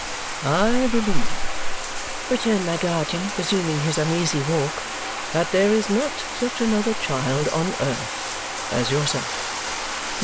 "I believe," returned my guardian, resuming his uneasy walk, "that there is not such another child on earth as yourself."